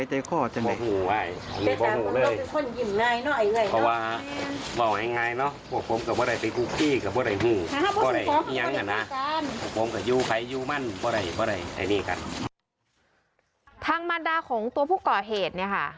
ทางมารดาของตัวผู้ก่อเหตุเนี่ยค่ะ